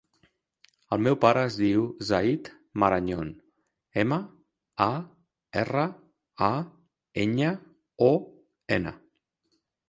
El meu pare es diu Zayd Marañon: ema, a, erra, a, enya, o, ena.